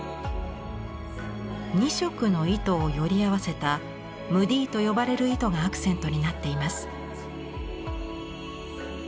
２色の糸をより合わせたムディーと呼ばれる糸がアクセントになっています。